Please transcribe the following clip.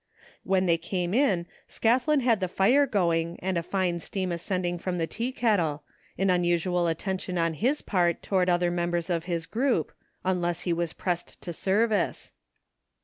When they came in Scathlin had the fire going and a fine steam ascending from the tea kettle, an unusual attention on his part toward other members of his group, imless he was pressed to service.